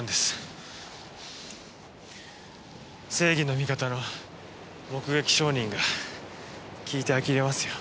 正義の味方の目撃証人が聞いてあきれますよ。